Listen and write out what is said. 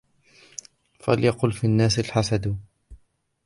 فَيَقِلُّ فِي النَّاسِ الْحَسَدُ